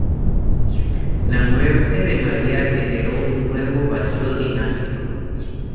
La muerte de María generó un nuevo vacío dinástico.